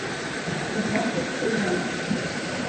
Ett vackert program!